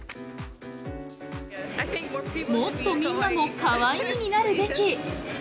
もっとみんなもカワイイになるべき！